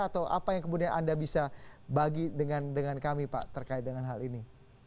atau apa yang kemudian anda bisa bagi dengan kami pak terkait dengan hal ini